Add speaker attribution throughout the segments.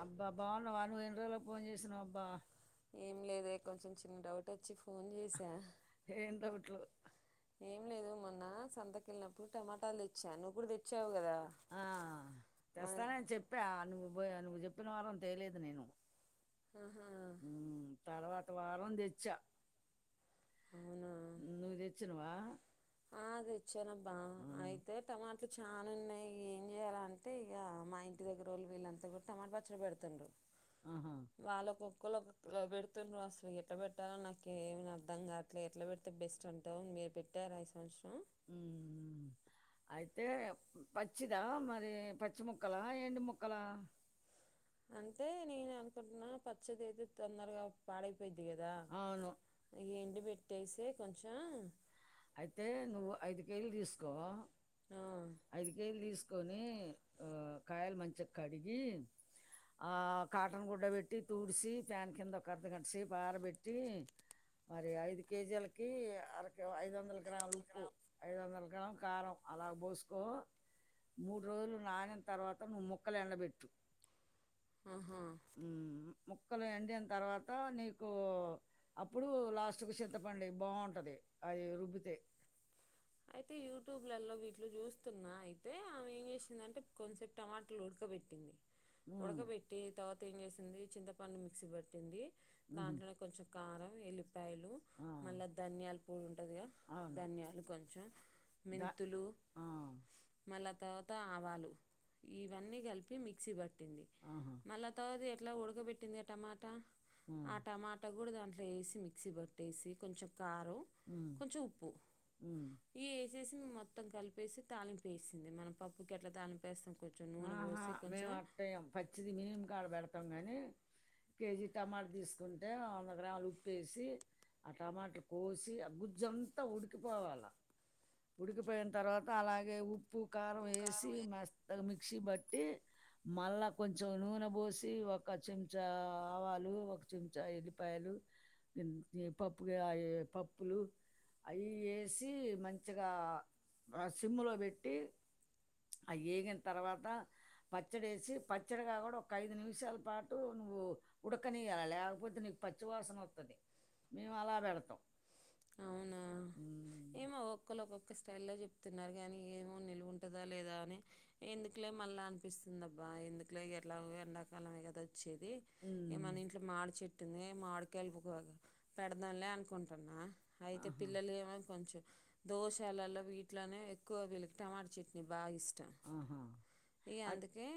Speaker 1: అబ్బా బాగున్నావా నువ్్వవు ఎన్ని రోజుల్లో ఫోన్ చేసినవు అబ్బా
Speaker 2: కొంచెం చిన్న డౌట్ వచ్చి
Speaker 1: ఏం డౌట్లు
Speaker 2: నీను మొన్న సంతకెళ్ళినప్పుడు ఇప్పుడు టమాటాలు తెచ్చా నువ్వు కూడా తెచ్చావు కదా మ
Speaker 1: చెప్ప నువ్వు నువ్వు చెప్పిన వారంని తేయలేదు నేను
Speaker 2: ఆహా ఉమ్ అవునా ఆది ఇచ్చానబ్బా అయితే టమాటలు చాలా ఉన్నాయి ఏం చేయాల అంటే ఇక మా ఇంటి దగ్గర వాళ్ళు వీళ్ళంతా కూడా టమాటా పచ్చడి పెడుతుండు వాళ్ళ కుక్కలో ఇ పెడుతుంట్రవు అసలు ఎట్ట పెట్టలో నాక ఏమి అంగా అట్లా ఎట్లా పెడితే బెస్ట్ ఉంటావు మీరు పెట్టారు ఈ సంవత్సరం
Speaker 1: హమ్ అయితే పచ్చిదా మరి పచ్చి ముక్కలా ఎండు ముక్కలా
Speaker 2: నేను అనుకుంటున్నా పచ్చది అయితే తొందరగా పాడై పెదిగదా ఏంటి పెట్టేస కొంచెం
Speaker 1: అయితే నువ్వు ఐదు కేజీలు తీసుకోవ ఐదు కేజీలు తీసుకొని, మ్ కాయలు మంచిగా కడిగి, అ కాటన్ గుడ్డ పెట్టి తూడిసి ప్యాన్ కింద ఒక అర్ధ కట్సి అరబెట్టి, మరి ఐదు కేజీలకి అర ఐ లక ఉప్పు ఐద నలక కారం అలాగ పోసుకో మూడు రోజులు నానిన తర్వాత నువ్వు ముక్కలు ఎండబెట్టు మ్ ముక్కలు ఎండిన తర్వాత నీకు అప్పుడు లాస్ట్ కు చింతపండు ఏయ్ బాగుంటది అది రుబ్బితే
Speaker 2: లల్లో వీట్లు చూస్తున్నా అయితే ఆమె ఏం చేసింది అంటే కొన్సేపు టమాటలు ఉడకబెట్టింది ఉడకబెట్టి తర్వాత ఏం చేసింది చింత పన్ను మిక్సీ పట్టింది దాంట్లోనే కొంచెం కారం వెళ్ళి పాయలు మళ్ళీ ధన్యలు పూడి ఉంటుందిగా ధన్యాలు కొంచెం
Speaker 1: ద ఆ
Speaker 2: ళ తర్వాత ఆవాలు ఇవన్నీ కలిపి మిక్సీ బట్టి మళ్ళా తర్వాత ఎట్లా ఉడకబెట్టింది ఆ టమాటా ఆ టమాటా కూడా దాంట్లో వేసి మి మిక్స బట్టేసి కొంచెం కారం కొంచెం ఉప్పు ఈ మొత్తం కలిపేసి తాలింపేసింది మన పప్పుకి ఎట్లా తాళంపేస్తాం కొంచెం నూనె పోసి కొంచెం
Speaker 1: ఉడికిపోయిన తర్వాత అలాగే ఉప్పు కారం వేసి మస్ త్తగా మిక్సీ బట్టి మళ్ళా కొంచెం నూనె పోసి ఒక చెంచా ఆవాలు ఒక చెంచా ఎ ఉల్లిపాయలు పప్పుగావి పప్పులు అవి వేసి మంచి పచ్చగా సిమ్లో పెట్టి అ ఏగ తర్వాత పచ్చడి వేసి పచ్చడి కా కూడా ఒక ఐదు నిమిషాల పాటు నువ్వు ఉడకనియాల ల్యకపోతే నీకు పచ్చివాసన వతుంది మేము అలా పెడతాం
Speaker 2: ఒకళ ఒక్కొక్క స్టైల్లో చెప్తున్నారు కానీ ఏమో నిలువు ఉంటుందా లేదా అని ఎందుకులే మళ్ళీ అనిపిస్తుందబ్బా ఎందుకులో ఎట్లా ఎండాకాలమే కదా వచ్చేది ఇ మన ఇంట్లో మాడి చెట్టు పుట్టింది మాడికాయలు [unintelligible] పెడదాలే అనుకుంటున్నా అయితే పిల్లలు ఏమని కొంచెం దోసాలలో వీటిలోనే ఎక్కువ వీళకి టమాటా చట్నీ బాగా ఇష్టం ఇక అందుకే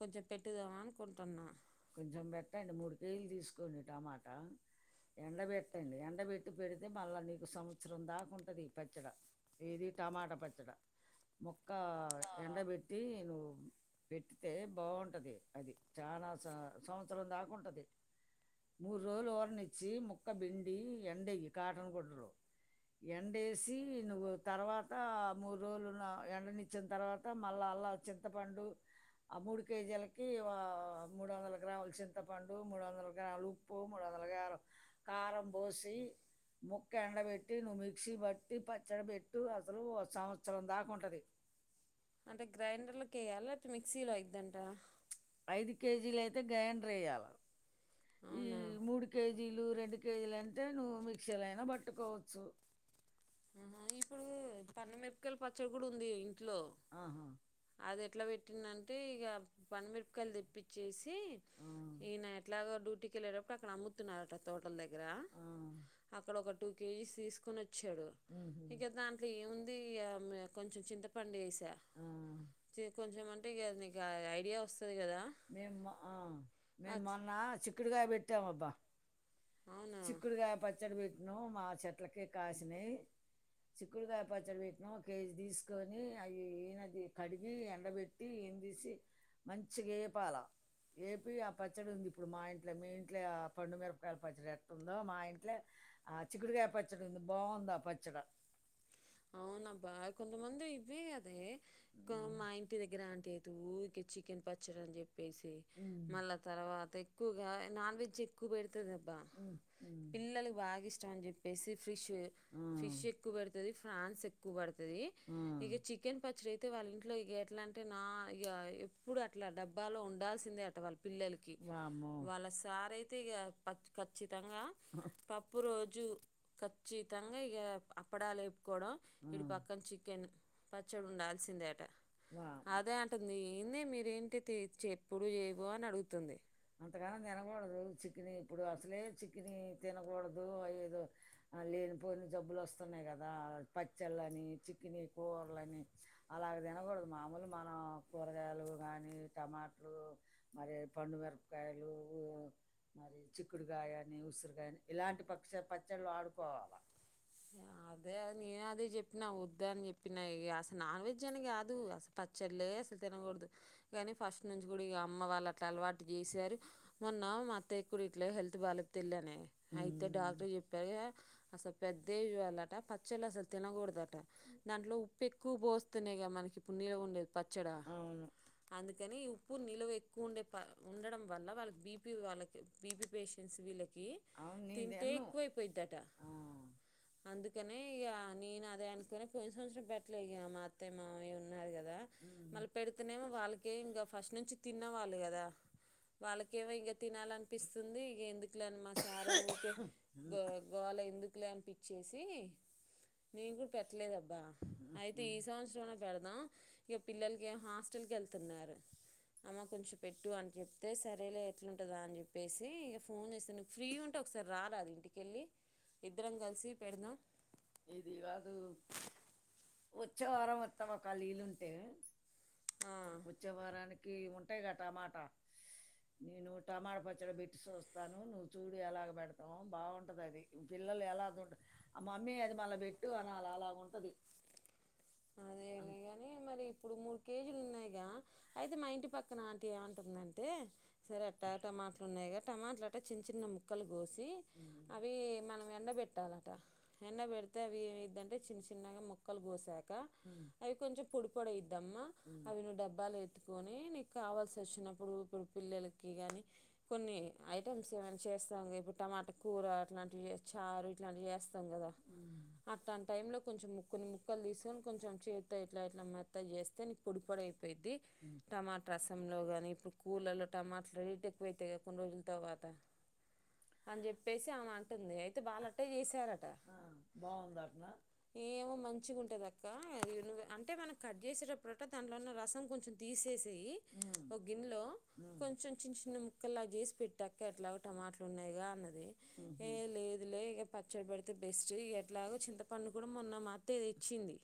Speaker 2: కొంచెం పెట్టుదామా అనుకుంటున్నా
Speaker 1: కొంచెం పెట్టండి మూడు కేజీలు తీసుకోండి టమాటా ఎండబెట్టండి ఎండబెట్టి పెడితే మళ్ళీ నీకు సంవత్సరం వక్షరం దాకుంటది పచ్చడి ఏది టమాటా పచ్చడి మొక్క ఎండబట్టి నువవు పెట్తే బాగుంటది అది చాల సంవత్సరం దాకా ఉంటుంది మూడు రోజులు ఓరనిచ్చి ముక్క బిండి ఎండయ్యి కాటన్ గుడరు ఎండేసి నువ్వు తర్వాత మూడు రోజులు ఎండనిచ్చిన తర్వాత మళ్ళా అల్లా చింతపండు ఆ మూడు కేజీలకి మూడు వందల గ్రాములు చింతపండు మూడు వందల గ్రాములు ఉప్పు మూడు వందల గ్రాారు కారం పోసి ముక్క ఎండబెట్టి
Speaker 2: అంటే గ్రైండర్ అ ఎలా మిక్సీలో అయిందంట అవునా అ ఇప్పుడు పండు మిరపకాయలు పచ్చడి కూడా ఉంది ఇట్లో అది ఎట్లా పెట్టిందంటే ఇగ పండు మిరపకాయలు తెప్పిచ్చేసి తీయ్ ఈయన ఎట్లాగొ డూటీకి ఎళ్ళటప్పుడు అంటే అక్కడ అమ్ముతున్నారట తోటల్ దగ్గర అక్కడ ఒక టూ కేజీస్ తీసుకునద్ చ్చాడో ఇగ దాంట్లో ఏముంది ఇగ మే కొంచెం చింత పండేసి తె చే కొంచెమన్ ఇగ అది నీకు ఆ ఐడియా వస్
Speaker 1: మేము ఆ మేము మొన్న చిక్కుడుగాయ పెట్టాం అబ్బా చిక్కుడుగాయ పచ్చడి పెట్టినం మా చెట్లకి కాసినయ్ చిక్కుడుగాయ పచ్చడి పెట్టినం కేజీ తీసుకొని అయి ఈనది కడిగి ఎండబట్టి ఈందీసి మంచిగేప్ పాల ఏపి ఆ పచ్చడి ఉంది ఇప్పుడు మా ఇంట్లో మీ ఇంట్ల పండుమిరపకాయల పచ్చడి ఎట్లుందో మా ఇంట్లో ఆ చిక్కుడుకాయ పచ్చడి ఉంది బాగుందా పచ్చడ
Speaker 2: అవునబ్బా కొంతమంది ఇవే గదే గా మా ఇంటి దగ్గర ఆంటి ఏ ఊకె చికెన్ పచ్చడని చెప్ ప్పేసి మళ్ళా తర్వాత ఎక్కువగా నాన్ వెజ్ ఎక్కువ పెడ్ తుదెబ్బ పిల్లలకి బాగిష్టమని చెప్పేసి ఫిష్ ఫిష్ ఎక్కువ పెడుతది ఫ్రా న్స్ ఎక్కువడుత్ తది ఇగ చికెన్ పచ్చడి అయితే వాళ్ళ ఇంట్లో ఇగ ఎట్లన్ అంటే నా ఇగ ఎప్పుడు అట్లా డబ్బాలో ఉండాల్సిందే అట వాళ్ పిల్లలకి వాళ్ళ సార్ అయితే ఇగ పక్ ఖచ్చితంగా పప్పు రోజు ఖచ్చితంగా ఇగా అప్పడాలు వేపుకోవడం ఇటు పక్కన చికెన్ పచ్చడుండాల్సిందే అట అదే అంటుంది ఏంది మీరేం హితే చేప్
Speaker 1: అంతగాన తినకూడదు చిక్నీ ఇప్పుడు అసలే చిక్నీ తినకూడదు అ ఏదో లేనిపోయిన జబ్బులు వస్తున్నాయి కదా పచ్చళ్ళని చిక్నీ కూరలని అలాగ తినకూడదు మామూలు మనం కూరగాయలు కానీ టమా ఓ మరి పండుమిరపకాయలు ఊ మరి చిక్కుడుకాయని ఉసిరికాయని ఇలాంటి ప [unintelligible] చల్ ఆడుకో
Speaker 2: నేను అదే చెప్పిన వద్దా అని చెప్పిన ఇగ అసలు నాన్ వెజ్ అని కాదు అసలు పచ్చళ్లే అసలు తినకూడదు కాని ఫస్ట్ నుంచి కూడా ఇగ అమ్మ వాళ్ళు అట్లా అలవాటు చేసారు మొన్న మా అత్తయ కుడి ఇ హెల్త్ బాలేకపోతే వెళ్ళే నేను అయితే డాక్టర్ చె అసలు పెద్ద వాళ్ళట పచ్చళ అసలు తినకూడదుట దాంట్లో ఉప్పు ఎక్కువ పోస్తున్నాయి క మనకి ఇప్పుడు నిలవ ఉండేది పచ్చడా అందుకని ఉప్పు నిల్వ ఎక్కువ ఉండే ఉండడం వల్ల వాళ్ళకి బీపీ వాళ్ళకి బీపీ [unintelligible] వీళ్ళకి తింటే ఎక్ పోయిద్దట, అందుకనే ఇక నేను అదే అనుకుని కొన్ని సంవత్సరం పెట్టలేదు ఇ మా అత్త మామ ఉన్నారు కదా, మళ్ళీ పెడితేనేమో వాళ్ళకే ఇంకా ఫస్ట్ నుంచి తిన్నవాళ్ళు కదా, వాళ్ళకేమో ఇంకా తినాల అనిపిస్ ఎందుకులేని మా సారే మీక గో గోళ ఎందుకులే అనిపిచ్చేసి నేను కూడా పెట్టలేదబ్బా అయితే ఈ సంవత్సరంనే పెడదాం ఇక పిల్లలకి హాస్టల్కి వెళ్తున్నారు అమ్మ కొంచెం పెట్టు అని చెప్తే సరేలే ఎట్లాంటుందా అని చెప్పేసి ఇక ఫోన్ చేస్తే ఫ్రీ ఉంటే ఒకసారి రాలే అదు ఇంటికి వెళ్ళి ఇద్దరం కలిసి పెడదాం
Speaker 1: ఇది కాదు వచ్చే వారం వస్తావు ఒక నీళ్లుుంటే వచ్చే వారానికి ఉంటాయి కద టమాటా నేను టమాటా పచ్చడి పెట్టిసి వస్తాను నువ్వు చూడు ఎలాగ పెడతావు బాగుంట అది పిల్లలు ఎలా ఉంటది ఆ మమ్మీ అది మళ్ళా పెట్టు అలాలాగు ఉంటది
Speaker 2: కేజీలు ఉన్నాయిగా అయితే మా ఇంటి పక్కన ఆంటీ ఏమంటుందంటే సరే ఎట్టాగో టమాటలు ఉన్నాయిగా టమాటలు అట్టా చిన్న చిన్న ముక్కలు కోసి అవి మనం ఎండబెట్టాలట ఎండబెడితే అవి ఏమైద్దంటే చిన్న చిన్నగా ముక్కలు కోసాక అవి కొంచెం పొడి పొడి అయిద్దమ్మా అవి నువ్వు డబ్బాలు ఎత్తుకొని నీకు కావాల్సి వచ్చినప్పుడు ఇప్పుడు పిల్లలకి కానీ కొన్ని ఐటమ్స్ ఏమైనా చేస్తాం కా ఇప్పు టమాటా కూర అట్లాంటివి చారు ఇట్లాంటివి చేస్తాం కదా అట్టాంటి టైంలో కొంచెం ముక్కని ముక్కలు తీసుకొని కొంచెం చేత్తో ఇట్లా ఇట్లా మెత్తగ చేస్తే నీకు పొడిపొడి అయిపోయిద్ది టమాట రసంలో కానీ ఇప్పుడు ఊళ్ళల్లో టమాటలు రేట్ ఎక్కువ అవుతాయి కద కొన్ని రోజుల తర్వాత అని జె చెప్పేసి ఆమె అంటుంది అయితే వాళ్లట్టే చేసారట ఏమో మంచిగా ఉంటదక్క అంటే మనం కట్ చేసేటప్పుడట దాంట్లో ఉన్న రసం కొంచెం తీసేస ఒక గిన్నెలో కొంచెం చిన్న చిన్న ముక్కలా చేసి పెట్టక్క ఎట్లాగొ టమాటలు ఉన్నాయి ఉన్నాయిగా అన్నది ఏ లేదు లే ఇగ పచ్చడి పడితే బెస్ట్ ఇగ ఎట్లాగో చింతపండు కూడా మొన్న మా అత్తయ్య తెచ్చింది,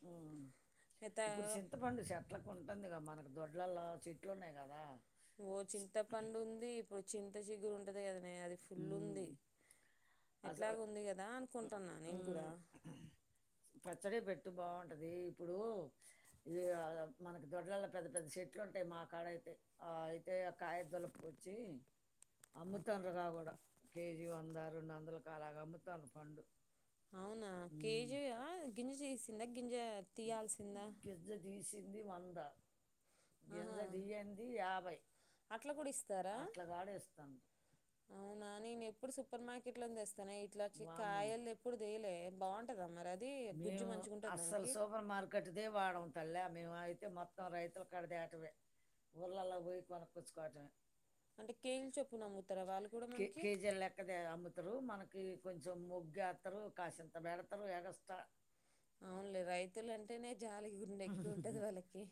Speaker 2: ఓ చింతపండు ఉంది ఇప్పుడు చింత చిగురు ఉం అదే గద ఏ అది ఫుల్ ఉంది ఎట్లాగో ఉంది కదా అనుకుంటున్నా నేను కూడా
Speaker 1: కేజి రెండు వందలకు అలాగ అమ్ముతాళ్లు పండు మ్
Speaker 2: [unintelligible] గింజ తీయాల్సిందా ఆహా అట్లా కూడా ఇస్తారా అవునా నేనెప్ సూపర్ మార్కెట్ లోనే తెస్ ఇట్లాచ్చి కాయలు ఎప్పుడు తేలే బాగుంటద మరి అది గుజ్జు మంచిగ ఉంటదా దానికి, అంటే కేజీలు చొప్పున అమ్ముతర వాళ్ళు కూడా మనకి
Speaker 1: అమ్ముతరు మనకి కొంచెం మొగ్గేస్తరు కాసింత పెడతరు ఎగస్ట్రా
Speaker 2: జాలి గుండె ఎక్కువ ఉంటది వాళ్ళకి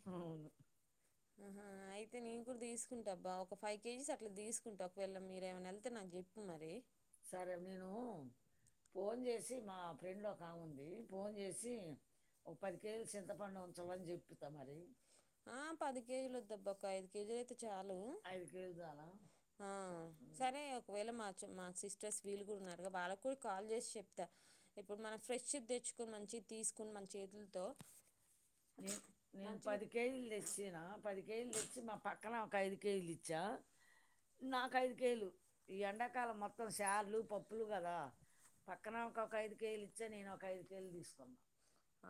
Speaker 2: ఆహా అయితే నేను కూడా తీసుకుంటాబ్బా ఒక ఫైవ్ కేజీస్ అట్లా తీసుకుంటా ఒకవేళ మీరేమైనా వెళ్తే నాకు చెప్పు మరి ఆ పది కేజీలు వద్దు ఒక ఐదు కేజీలు అయితే చాలు ఆ సరే ఒకవేళ మార్చు సిస్టర్ వీలుగ ఎ వాళ్ళకూ కాల్ చేసి చెప్త ఇప్పుడు మనం ఫ్రెష్ ది తెచ్చుకొని మంచిగ తీసుకుని మన చేతులతో
Speaker 1: చార్లు పప్పులు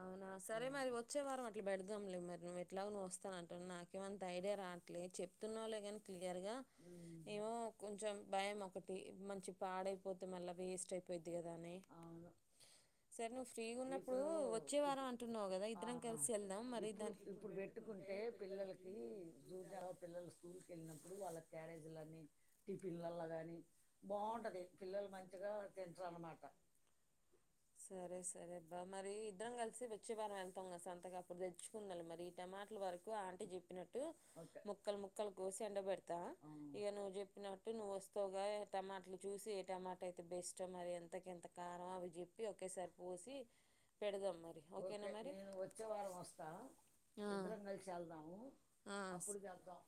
Speaker 2: అవున సరే మరి వచ్చే వారం అట్లా పెడదాంలే మరి ఎట్లాగో నువ్వు వస్తా అంటున్నా నాకేమంత ఐడియా రావట్లేదు చెప్తున్నావులే కని క్లియర్గా ఏమో కొంచెం బయం ఒకటి మంచి ఫిడ్జ్ పాడై పోతే మళ్ళ వేస్ట్ అయిది యిద్ది కదనె సరే నువ్వు ఫ్రీగా ఉన్నప్పుడు వచ్చే వారం అంటున్నావు కదా ఇద్దరం కలిసి వెళ్దాం మరి దా
Speaker 1: బావుంటది పిల్లలు మంచిగ తింటారు అన్నమాట
Speaker 2: సరె సరె మరి ఇద్దరం కలిసి వచ్చే వారం వెళ్తాం ఇక సొంతగా అప్పుడు తెుకుండాలె మరి ఈ టమాటలు వరి ఆంటీ చెప్పినట్టు ముక్కలు ముక్కలు కోసి ఎండబడతా ఇక నువ్వు చెప్పినట్టు నువ్వు వస్తవుగా టమాటలు చూసి ఏ టమాటో అయితే బెస్ట్ మరి ఎంతకు ఎంత కారం అవి చెప్పి ఒకేసారి పోసి పెడదాం మరి ఓకేనా మరి
Speaker 1: వెళ్దాం అప్పుడు తెద్దాం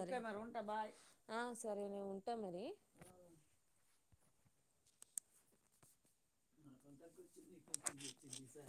Speaker 1: ఒకె మరి ఉంటా బాయ్
Speaker 2: ఎట్టే మరీ డిజైన్స్